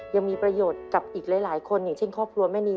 ยังมีประโยชน์กับอีกหลายคนอย่างเช่นครอบครัวแม่นี